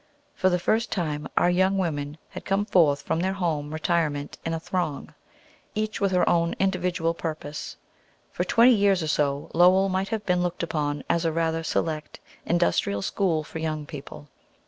For the first time, our young women had come forth from their home retirement in a throng, each with her own individual purpose. For twenty years or so, Lowell might have been looked upon as a rather select industrial school for young people.